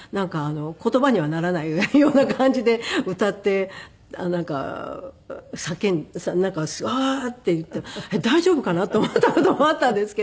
言葉にはならないような感じで歌ってなんか叫んで「おおー！」って言って大丈夫かな？と思った事もあったんですけど。